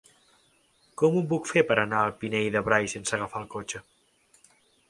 Com ho puc fer per anar al Pinell de Brai sense agafar el cotxe?